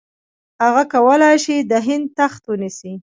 هغه کولای شي د هند تخت ونیسي.